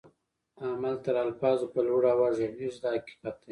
عمل تر الفاظو په لوړ آواز ږغيږي دا حقیقت دی.